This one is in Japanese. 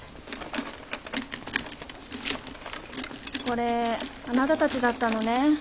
これあなたたちだったのね。